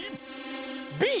Ｂ。